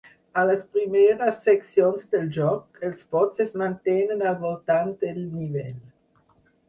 A les primeres seccions del joc, els bots es mantenen al voltant del nivell.